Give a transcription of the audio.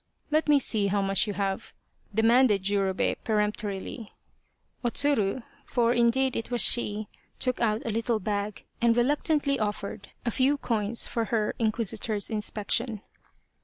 " Let me see how much you have ?" demanded Jurobei peremptorily. O Tsuru, for indeed it was she, took out a little bag, and reluctantly offered a few coins for her in quisitor's inspection.